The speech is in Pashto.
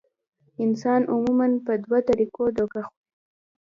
انسان عموماً پۀ دوه طريقو دوکه خوري -